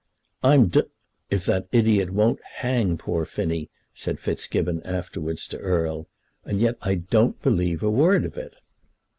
"I'm d if that idiot won't hang poor Phinny," said Fitzgibbon afterwards to Erle. "And yet I don't believe a word of it."